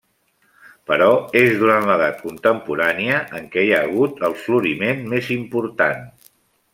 Però és durant l'edat contemporània en què hi ha hagut el floriment més important.